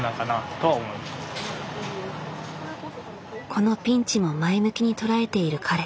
このピンチも前向きに捉えている彼。